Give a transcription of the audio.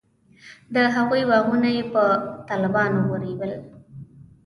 د هغوی باغونه یې په طالبانو ورېبل.